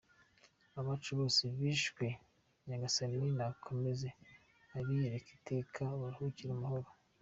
Abacu bose bishwe Nyagasani nakomeze abiyereke iteka baruhukire mu mahoro.